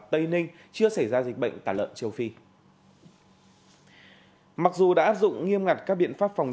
tây ninh chưa xảy ra dịch bệnh tả lợn châu phi mặc dù đã áp dụng nghiêm ngặt các biện pháp phòng